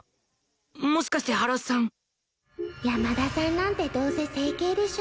もしかして原さん山田さんなんてどうせ整形でしょ？